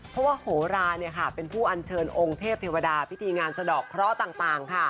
เพราะว่าโหราเนี่ยค่ะ